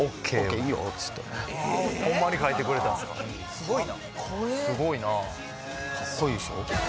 すごいなすごいなかっこいいでしょ